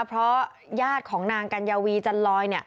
เพราะญาติของนางกัญญาวีจันลอย